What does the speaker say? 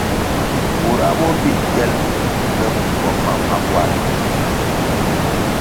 Bura bo birʼ kyel pe kumbo mam ma kwarʼ.